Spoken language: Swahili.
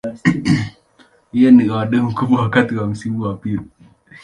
Yeye ni adui mkubwa wakati wa msimu wa pili.